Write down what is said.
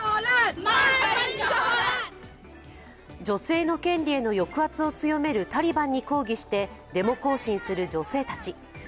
女性の権利への抑圧を強めるタリバンに抗議してデモ行進する女性たち。